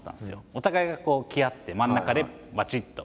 お互いがこう来合って真ん中でばちっと。